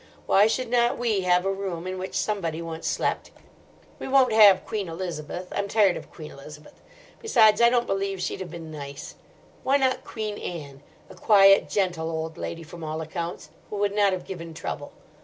Why should not we have a room in which Somebody once slept? We won't have Queen Elizabeth. I'm tired of Queen Elizabeth. Besides, I don't believe she'd have been nice. Why not Queen Anne? A quiet, gentle old lady, from all accounts, who would not have given trouble.